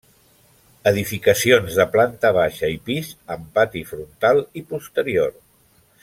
Edificacions de planta baixa i pis amb pati frontal i posterior.